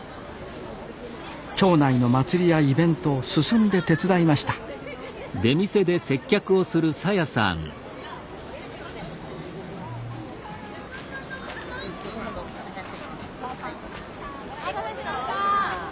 町内の祭りやイベントを進んで手伝いましたお待たせしました。